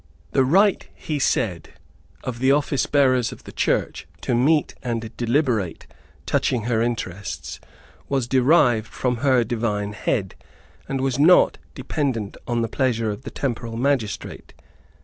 The right, he said, of the office bearers of the Church to meet and deliberate touching her interests was derived from her Divine Head, and was not dependent on the pleasure of the temporal magistrate.